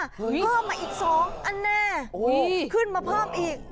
เพิ่มมาอีก๒อันแน่ขึ้นมาเพิ่มอีก